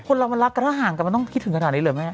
คนเรามันรักกันถ้าห่างกันต้องคิดถึงขนาดนี้เลยมั้ย